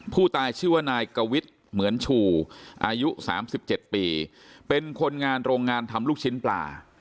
ผู้ตายชื่อว่านายกวิทย์เหมือนชูอายุ๓๗ปีเป็นคนงานโรงงานทำลูกชิ้นปลา